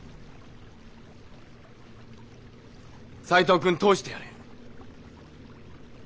斎藤君通してやれ。